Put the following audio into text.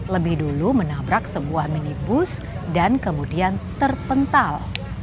lebih dulu menabrak sebuah minibus dan kemudian terpental